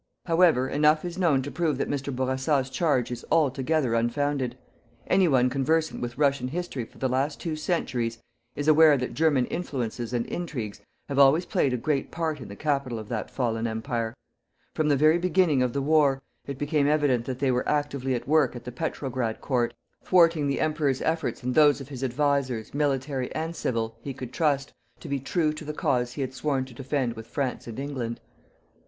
However, enough is known to prove that Mr. Bourassa's charge is altogether unfounded. Anyone conversant with Russian history for the two last centuries, is aware that German influences and intrigues have always played a great part in the Capital of that fallen Empire. From the very beginning of the war, it became evident that they were actively at work at the Petrograd Court, thwarting the Emperor's efforts and those of his advisers, military and civil, he could trust, to be true to the cause he had sworn to defend with France and England.